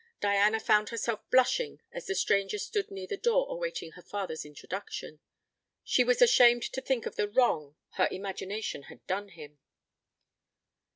Diana found herself blushing as the stranger stood near the door awaiting her father's introduction. She was ashamed to think of the wrong her imagination had done him.